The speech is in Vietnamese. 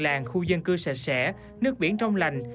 làng khu dân cư sạch sẽ nước biển trong lành